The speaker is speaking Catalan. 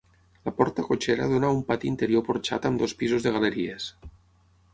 La porta cotxera dóna a un pati interior porxat amb dos pisos de galeries.